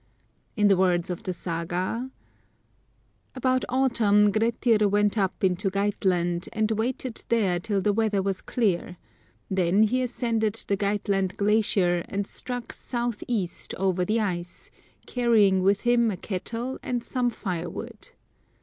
In the words of the Saga :— About autumn Grettir went up into Geitland, and waited there till the weather was clear ; then he ascended the Geitland glacier and struck south east over the ice, carrying with him a kettle and some firewood.